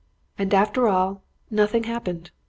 "And after all, nothing happened.